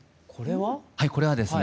はいこれはですね